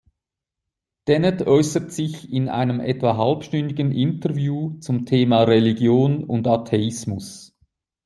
Dennett äußert sich in einem etwa halbstündigen Interview zum Thema Religion und Atheismus.